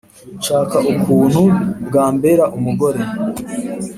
nshaka ukuntu bwambera umugore.